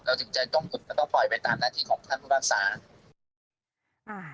เราจึงจะต้องปล่อยไปตามหน้าที่ของท่านผู้ปรักษา